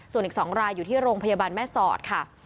ส่วนอีก๒รายอยู่ที่โรงพยาบาลแม่สอดค่ะ